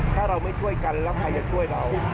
ถ้าเราไม่ช่วยกันแล้วใครจะช่วยเรา